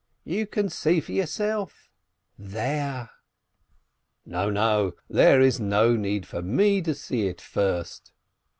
"You can see for yourself, there —" "No, no, there is no need for me to see it first.